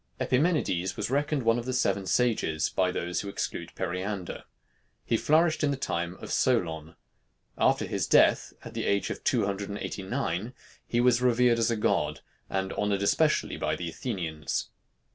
Epimenides was reckoned one of the seven sages by those who exclude Periander. He flourished in the time of Solon. After his death, at the age of two hundred and eighty nine, he was revered as a god, and honored especially by the Athenians.